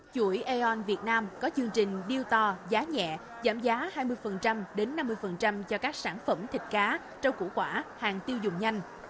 chuỗi aeon việt nam có chương trình deal to giá nhẹ giảm giá hai mươi đến năm mươi cho các sản phẩm thịt cá trâu củ quả hàng tiêu dùng nhanh